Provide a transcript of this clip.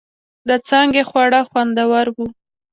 د څانگې خواړه خوندور و.